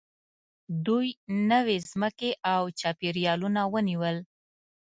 دوی نوې ځمکې او چاپېریالونه ونیول.